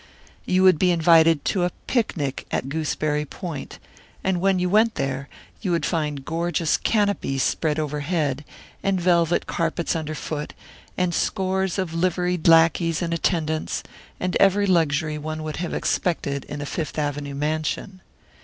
You would be invited to a "picnic" at Gooseberry Point, and when you went there, you would find gorgeous canopies spread overhead, and velvet carpets under foot, and scores of liveried lackeys in attendance, and every luxury one would have expected in a Fifth Avenue mansion.